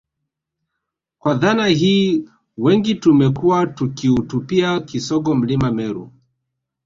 Kwa dhana hii wengi tumekuwa tukiutupia kisogo Mlima Meru